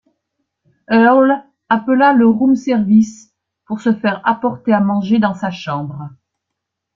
Earl appela le room service pour se faire apporter à manger dans sa chambre.